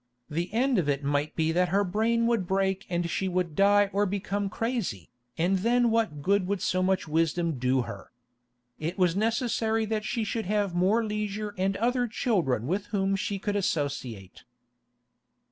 The end of it might be that her brain would break and she would die or become crazy, and then what good would so much wisdom do her? It was necessary that she should have more leisure and other children with whom she could associate.